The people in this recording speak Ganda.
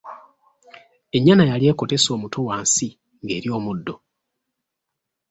Ennyana yali ekotese omutwe wansi nga’erya omuddo.